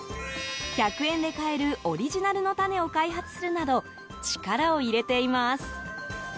１００円で買えるオリジナルの種を開発するなど力を入れています。